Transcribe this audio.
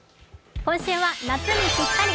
今週は夏にぴったり！